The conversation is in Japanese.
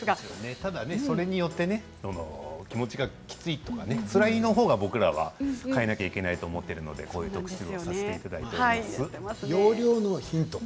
ただ、それによってね気持ちがつらいのほうが僕らは変えないといけないと思っているのでこういう特集をさせていただきました。